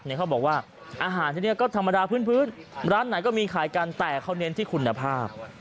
ร้านไหนก็มีขายกันแต่เขาเน้นที่คุณภาพ